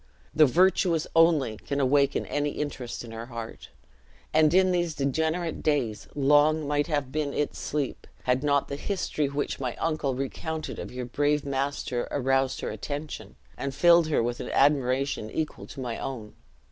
The virtuous only can awaken any interest in her heart; and in these degenerate days long might have been its sleep had not the history which my uncle recounted of your brave master aroused her attention, and filled her with an admiration equal to my own.